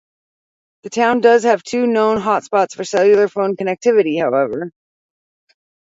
The town does have two known hot spots for cellular phone connectivity, however.